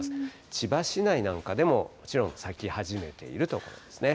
千葉市内なんかでも、もちろん咲き始めているところですね。